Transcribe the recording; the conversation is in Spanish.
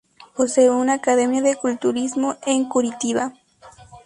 Posee una Academia de culturismo en Curitiba.